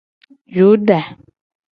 Yuda.